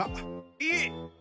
えっ？